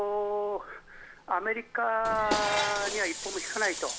アメリカには一歩も引かないと。